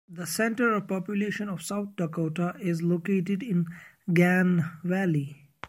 The center of population of South Dakota is located in Gann Valley.